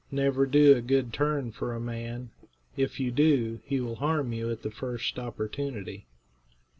Never do a good turn for a man; if you do, he will do you harm at the first opportunity."